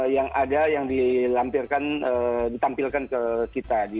yang ada yang ditampilkan ke kita